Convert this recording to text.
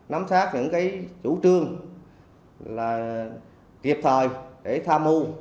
nắm sát những chủ trương kịp thời để tham mưu